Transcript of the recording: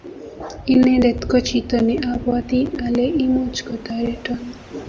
Inendet ko chito ne abwati ale imuch kotoreton.